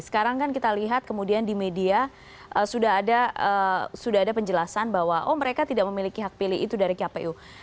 sekarang kan kita lihat kemudian di media sudah ada penjelasan bahwa oh mereka tidak memiliki hak pilih itu dari kpu